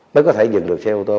mới có thể dừng được xe ô tô